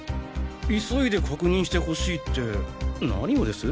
急いで確認してほしいって何をです？